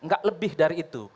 gak lebih dari itu